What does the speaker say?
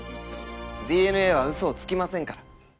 ＤＮＡはウソをつきませんから。